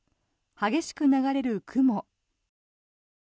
激しく流れる雲。